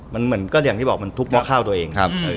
มันเหมือนก็อย่างที่บอกมันทุบหม้อข้าวตัวเอง